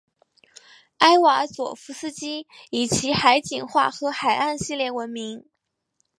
艾瓦佐夫斯基以其海景画和海岸系列闻名。